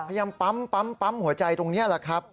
พยายามปั๊มหัวใจตรงนี้แหละครับ